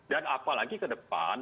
dan apalagi ke depan